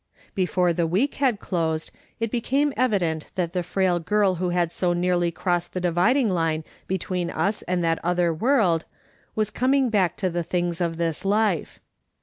Before the week had closed, it became evident that the frail girl who had so nearly crossed the dividing line between us and that other world was coming back to the things of this life.